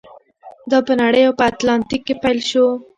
دا په نړۍ او په اتلانتیک کې پیل شو.